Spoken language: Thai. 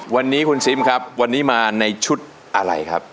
วันนี้คุณซิมครับวันนี้มาในชุดอะไรครับ